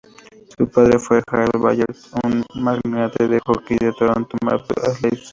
Su padre fue Harold Ballard, un magnate de hockey del Toronto Maple Leafs.